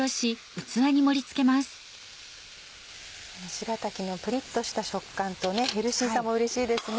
しらたきのプリっとした食感とヘルシーさもうれしいですね。